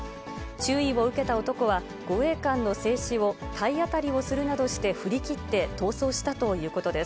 注意を受けた男は、護衛官の制止を体当たりをするなどして振り切って、逃走したということです。